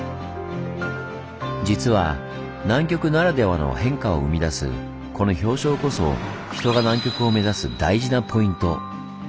実は南極ならではの変化を生み出すこの氷床こそ人が南極を目指す大事なポイント。